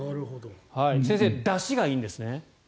先生、だしがいいんですね。